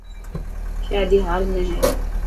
شادي هال ۾ هي.